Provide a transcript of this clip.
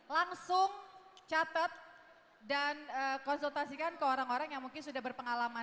langsung catat dan konsultasikan ke orang orang yang mungkin sudah berpengalaman